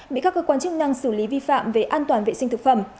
bị các cơ quan chức năng xử lý vi phạm về an toàn vệ sinh thực phẩm